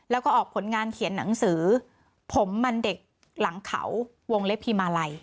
แล้วก็ออกผลงานเขียนหนังสือผมมันเด็กหลังเขาวงเล็บพีมาลัย